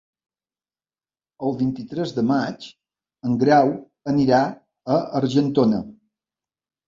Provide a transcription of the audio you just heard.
El vint-i-tres de maig en Grau anirà a Argentona.